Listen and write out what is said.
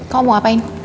kamu mau ngapain